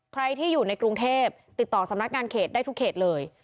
ใครที่อยู่ในกรุงเทพติดต่อสำนักงานเขตได้ทุกเขตเลย